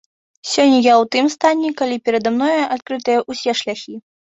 Сёння я ў тым стане, калі перада мной адкрытыя ўсе шляхі.